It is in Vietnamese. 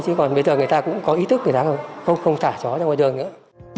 chứ còn bây giờ người ta cũng có ý thức người ta không thả chó ra ngoài đường nữa